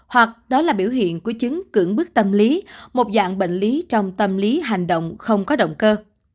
hoặc đó là biểu hiện của chứng cưỡng bức tâm lý một dạng bệnh lý trong tâm lý hành động không có động cơ